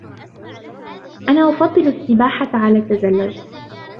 أنا أفضل السباحة على التزلج.